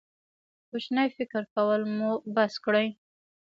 کوچنی فکر کول مو بس کړئ.